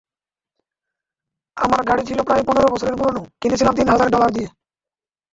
আমার গাড়ি ছিল প্রায় পনেরো বছরের পুরোনো, কিনেছিলাম তিন হাজার ডলার দিয়ে।